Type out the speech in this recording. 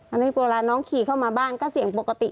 อันนี้เวลาน้องขี่เข้ามาบ้านก็เสี่ยงปกติ